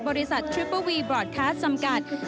บริษัททริปเปอร์วีบรอดคลาสจำกัด